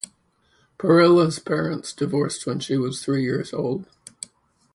Parrilla's parents divorced when she was three years old.